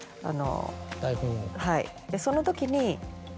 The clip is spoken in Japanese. はいそのときに。